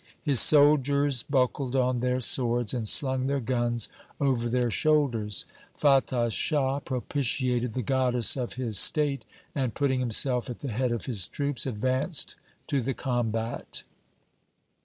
His soldiers buckled on their swords, and slung their guns over their shoulders. Fatah Shah propitiated the goddess of his state, and putting himself at the head of his troops advanced to the combat.